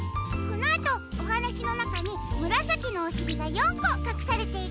このあとおはなしのなかにむらさきのおしりが４こかくされているよ。